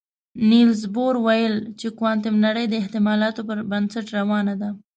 نيلز بور ویل چې کوانتم نړۍ د احتمالاتو پر بنسټ روانه ده.